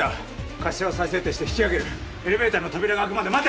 滑車を再設定して引き上げるエレベーターの扉が開くまで待て！